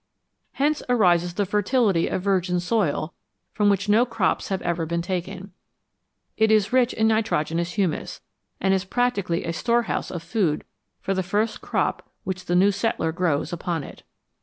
Hence arises the fertility of virgin soil from which no crops have ever been taken ; it is rich in nitrogenous humus, and is practically a storehouse of food for the first crop which the new settler grows upon it.